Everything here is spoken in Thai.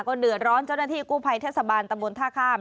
เดือดร้อนเจ้าหน้าที่กู้ภัยเทศบาลตำบลท่าข้าม